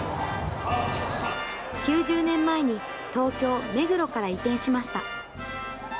９０年前に東京・目黒から移転しました。